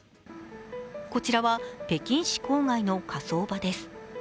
こちらは北京市郊外の火葬場です。